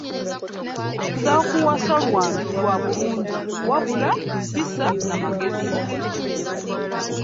Ssaakuwasa lwa bulungi wabula mpisa na magezi.